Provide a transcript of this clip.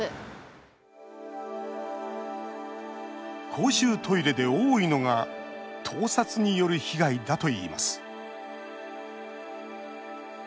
公衆トイレで多いのが盗撮による被害だといいます